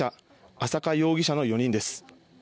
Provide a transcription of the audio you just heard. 朝華容疑者の４人です。